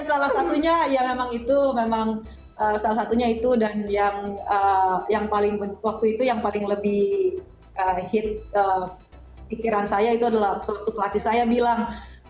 salah satunya ya memang itu memang salah satunya itu dan yang paling waktu itu yang paling lebih hit pikiran saya itu adalah suatu pelatih saya bilang